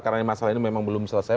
karena masalah ini memang belum selesai